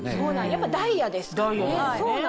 やっぱダイヤですからね。